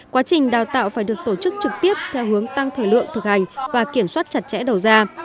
quá trình đào tạo phải được tổ chức trực tiếp theo hướng tăng thời lượng thực hành và kiểm soát chặt chẽ đầu ra